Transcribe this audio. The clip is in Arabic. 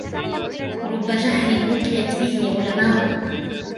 رُبَّ جَهْلٍ وُقِيَتْ بِهِ عُلَمَاءُ